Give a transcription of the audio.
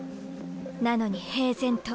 なのに平然と。